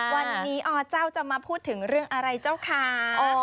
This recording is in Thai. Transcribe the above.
วันนี้อเจ้าจะมาพูดถึงเรื่องอะไรเจ้าคะ